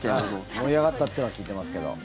盛り上がったっていうのは聞いてますけど。